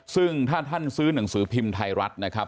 ซึ่งถ้าท่านซื้อหนังสือพิมพ์ไทยรัฐนะครับ